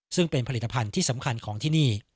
ซึ่งเป็นผลิตภัณฑ์ที่สำคัญของที่นี่